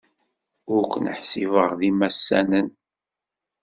Ur ken-ḥsibeɣ d imassanen.